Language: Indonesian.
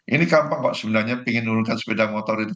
ini gampang kok sebenarnya ingin menurunkan sepeda motor itu